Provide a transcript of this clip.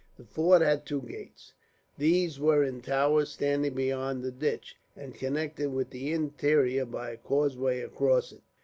The fort had two gates. These were in towers standing beyond the ditch, and connected with the interior by a causeway across it.